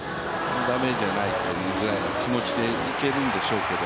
ダメージはないっていうぐらいの気持ちでいけるんでしょうけど。